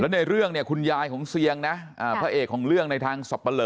ในเรื่องเนี่ยคุณยายของเซียงนะพระเอกของเรื่องในทางสับปะเลอ